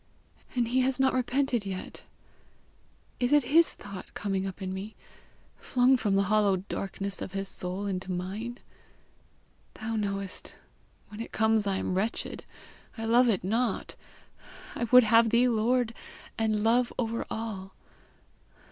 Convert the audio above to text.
And he has not repented yet! Is it his thought coming up in me, flung from the hollow darkness of his soul into mine? Thou knowest, when it comes I am wretched. I love it not. I would have thee lord and love over all.